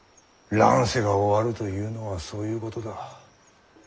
乱世が終わるというのはそういうことだ。